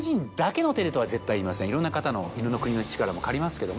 いろんな方のいろんな国の力も借りますけども。